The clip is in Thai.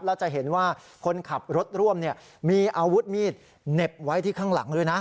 แล้วจะเห็นว่าคนขับรถร่วมมีอาวุธมีดเหน็บไว้ที่ข้างหลังด้วยนะ